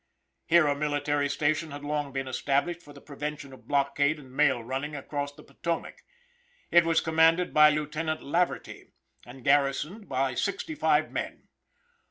Here a military station had long been established for the prevention of blockade and mail running across the Potomao. It was commanded by Lieutenant Laverty, and garrisoned by sixty five men.